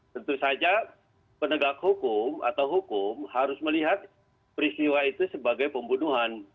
tentu saja penegak hukum atau hukum harus melihat peristiwa itu sebagai pembunuhan